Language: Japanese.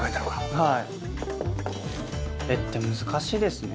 はい。